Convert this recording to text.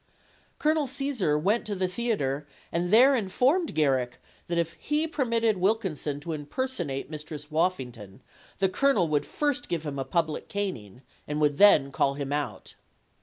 Colonel Caesar went to the theater and there informed Garrick that if he permitted Wilkinson to impersonate Mistress Woffington, the colonel would first give him a public caning and would then call him out.